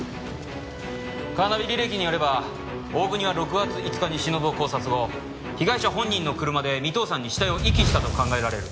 カーナビ履歴によれば大國は６月５日にしのぶを絞殺後被害者本人の車で三頭山に死体を遺棄したと考えられる。